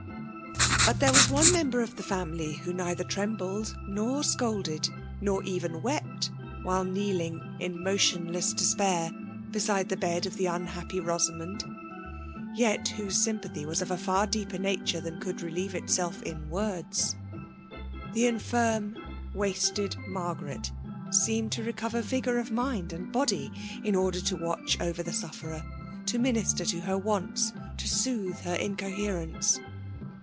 But there was one member of the family who neither trembled nor scolded^ nor evenwept^ nidiile kneeling in motionless despair beside the bed of the unhappy Rosamond^ — ^yet whoso sympathy was of a far deeper nature thaiir could relieve itself in words. The Sofitm^ Ytasted Margaret seemed to recover vigour of mind and body in order to watch over the sufferer* to minister to her wants, to soothe her incoherence.